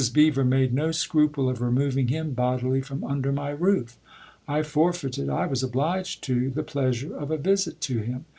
Beever made no scruple of removing him bodily from under my roof. I forfeited I was obliged to the pleasure of a visit to him.